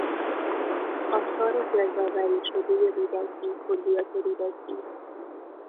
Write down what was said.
آثار گردآوری شدهی رودکی، کلیات رودکی